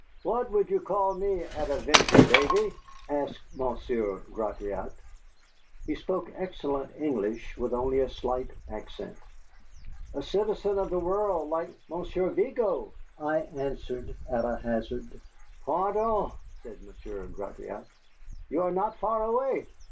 "What would you call me, at a venture, Davy?" asked Monsieur Gratiot. He spoke excellent English, with only a slight accent. "A citizen of the world, like Monsieur Vigo," I answered at a hazard. "Pardieu!" said Monsieur Gratiot, "you are not far away.